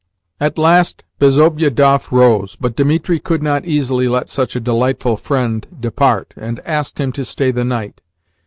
At last Bezobiedoff rose, but Dimitri could not easily let such a delightful friend depart, and asked him to stay the night.